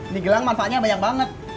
di gelang manfaatnya banyak banget